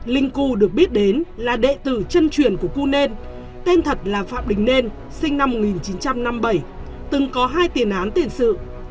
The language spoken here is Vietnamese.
linh cu được biết đến là đệ tử chân truyền của cư nên tên thật là phạm đình nên sinh năm một nghìn chín trăm năm mươi bảy từng có hai tiền án tiền sự